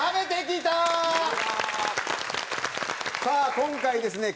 さあ今回ですね